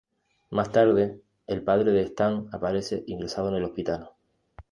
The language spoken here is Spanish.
Más tarde, el padre de Stan aparece ingresado en el hospital.